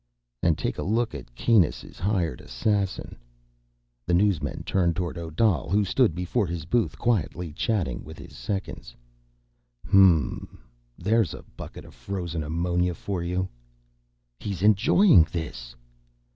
"And take a look at Kanus' hired assassin." The newsmen turned toward Odal, who stood before his booth, quietly chatting with his seconds. "Hm m m. There's a bucket of frozen ammonia for you." "He's enjoying this."